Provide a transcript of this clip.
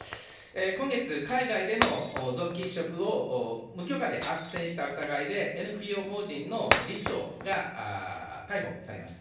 今月、海外での臓器移植を無許可であっせんした疑いで、ＮＰＯ法人の理事長が逮捕されました。